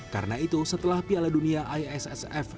karena itu setelah piala dunia issf